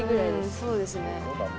そうですね。